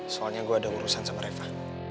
soalnya gue ada urusan sama reva